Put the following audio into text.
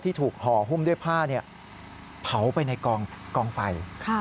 ถูกห่อหุ้มด้วยผ้าเผาไปในกองไฟ